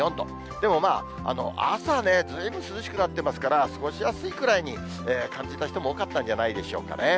でもまあ、朝ね、ずいぶん涼しくなってますから、過ごしやすいくらいに感じた人も多かったんじゃないでしょうかね。